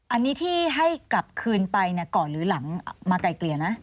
อันนี้ที่ให้กลับคืนไปก่อนหรือหลังมาไกลเกลี่ยนะ